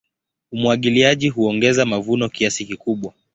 Umwagiliaji huongeza mavuno kiasi kikubwa.